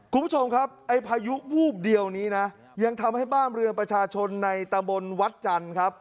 คุณผู้ชมครับไอ้พายุวูบเดียวนี้นะยังทำให้บ้านเรือนประชาชนในตำบลวัดจันทร์ครับ